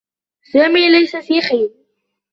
سامي ليس سيخي.